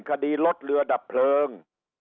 คดีรถเรือดับเพลิง